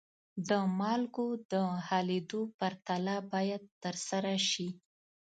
د مالګو د حلیدو پرتله باید ترسره شي.